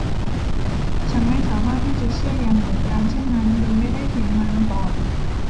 ฉันไม่สามารถที่จะเชื่ออย่างเดือดดาลเช่นนั้นโดยไม่ได้เห็นมันก่อน